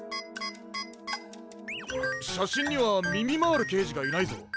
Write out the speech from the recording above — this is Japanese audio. しゃしんにはみみまーるけいじがいないぞ。